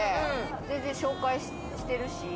全然、紹介してるし。